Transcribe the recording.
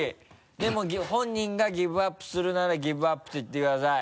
でも本人がギブアップするならギブアップと言ってください。